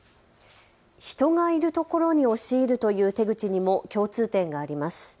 人がいるところに押し入るという手口にも共通点があります。